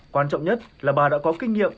quan trọng nhất là bà đã có kinh nghiệm